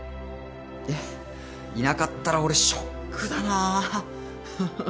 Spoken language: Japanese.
えっいなかったら俺ショックだなははっ。